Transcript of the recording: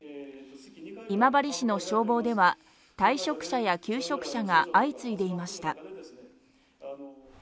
今治市の消防では、退職者や休職者が相次いでいました。